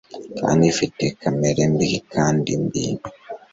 kandi ifite kamere mbi kandi mbi